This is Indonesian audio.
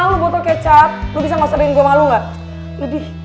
iya dih kenapa harus malu sih